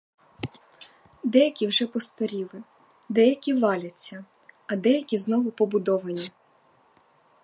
Деякі вже постаріли, деякі валяться, а деякі знову побудовані.